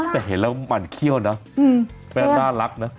แต่เห็นแล้วหมั่นเขี้ยวนะน่ารักนะ